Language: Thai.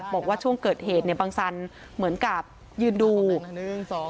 บอกว่าช่วงเกิดเหตุเนี่ยบังสันเหมือนกับยืนดู